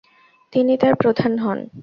তিনি তার প্রধান হন।